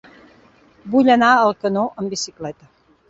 Vull anar a Alcanó amb bicicleta.